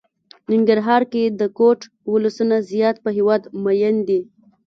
ننګرهار کې د کوټ ولسونه زيات په هېواد ميئن دي.